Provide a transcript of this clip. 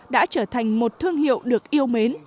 đã trở thành một thương hiệu được yêu mến